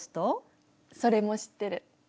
それも知ってる。